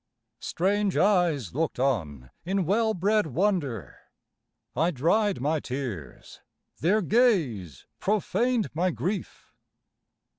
Strange eyes looked on in well bred wonder. I dried my tears: their gaze profaned my grief.